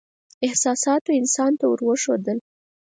احساساتو انسان ته ور وښودل.